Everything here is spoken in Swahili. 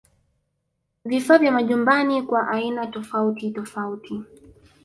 Vifaa vya majumbani kwa aina tofauti tofauti